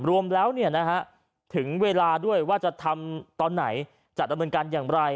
รวมแล้วถึงเวลาด้วยว่าจะทำตอนไหนจะดำเนินการอย่างไร